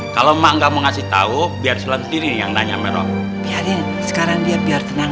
kalau enggak mau ngasih tahu biar silang sini yang nanya merokkian sekarang dia biar tenang